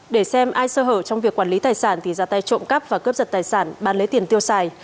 để xem ai sơ hở trong việc quản lý tài sản thì ra tay trộm cắp và cướp giật tài sản bán lấy tiền tiêu xài